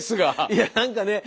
いや何かね